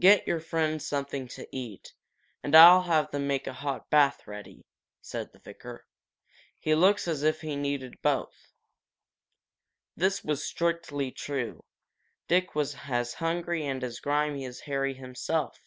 "Get your friend something to eat and I'll have them make a hot bath ready," said the vicar. "He looks as if he needed both!" This was strictly true. Dick was as hungry and as grimy as Harry himself.